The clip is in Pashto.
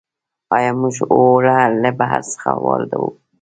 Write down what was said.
آیا موږ اوړه له بهر څخه واردوو؟